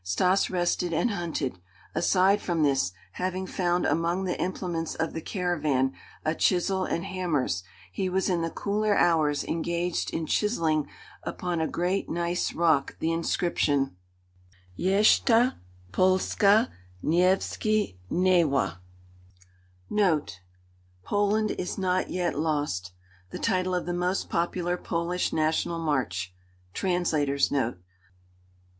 Stas rested and hunted. Aside from this, having found among the implements of the caravan a chisel and hammers, he was in the cooler hours engaged in chiseling upon a great gneiss rock the inscription "Jeszcze Polska nie zginela,"* [* "Poland is not yet lost." The title of the most popular Polish national march. Translator's note.